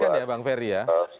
mengagetkan ya bang ferry ya